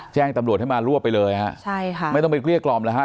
แจ้งตำรวจให้มารวบไปเลยฮะใช่ค่ะไม่ต้องไปเกลี้ยกล่อมแล้วฮะ